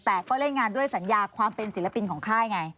แต่ก็เล่นงานด้วยสัญญาความเป็นศิลปินของค่ายไง